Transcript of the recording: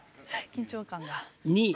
緊張感が。